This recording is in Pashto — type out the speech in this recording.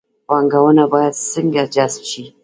پانګونه باید څنګه جذب شي؟